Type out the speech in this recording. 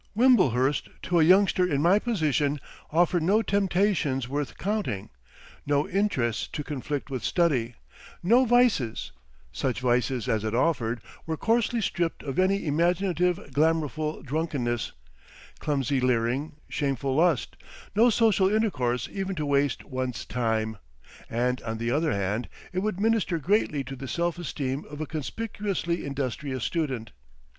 Wimblehurst to a youngster in my position offered no temptations worth counting, no interests to conflict with study, no vices—such vices as it offered were coarsely stripped of any imaginative glamourfull drunkenness, clumsy leering shameful lust, no social intercourse even to waste one's time, and on the other hand it would minister greatly to the self esteem of a conspicuously industrious student.